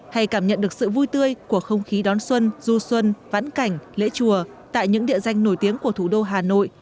hay cảm nhận được sự vui tươi của không khí đón xuân du xuân vãn cảnh lễ chùa tại những địa danh nổi tiếng của thủ đô hà nội